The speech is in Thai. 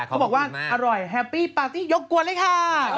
เขาบอกว่าอร่อยแฮปปี้ปาร์ตี้ยกวนเลยค่ะ